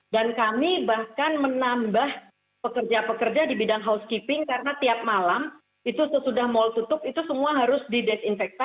dan kami bahkan menambah pekerja pekerja di bidang housekeeping karena tiap malam itu sesudah mal tutup itu semua harus di desinfect